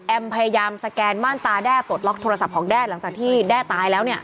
พยายามสแกนม่านตาแด้ปลดล็อกโทรศัพท์ของแด้หลังจากที่แด้ตายแล้วเนี่ย